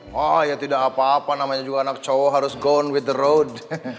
wah ya tidak apa apa namanya juga anak cowok harus gond with the road